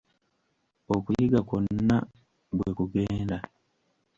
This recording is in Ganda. Okuyiga kwonna bwe kugenda.